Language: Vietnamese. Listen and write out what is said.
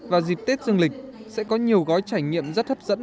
và dịp tết du lịch sẽ có nhiều gói trải nghiệm rất hấp dẫn